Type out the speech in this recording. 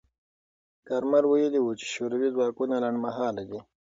کارمل ویلي و چې شوروي ځواکونه لنډمهاله دي.